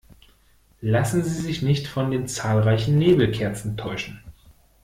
Lassen Sie sich nicht von den zahlreichen Nebelkerzen täuschen!